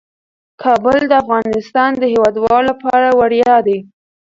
کابل د افغانستان د هیوادوالو لپاره ویاړ دی.